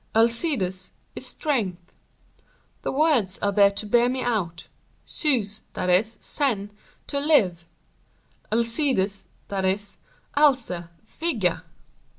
Alcides is strength. The words are there to bear me out; Zeus, that is, zen, to live. Alcides, that is, alce, vigor.